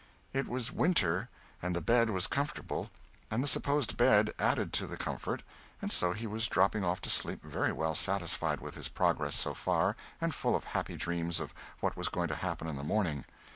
It was winter, and the bed was comfortable, and the supposed Ben added to the comfort and so he was dropping off to sleep very well satisfied with his progress so far and full of happy dreams of what was going to happen in the morning.